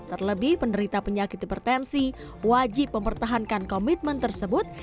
terlebih penderita penyakit hipertensi wajib mempertahankan komitmen tersebut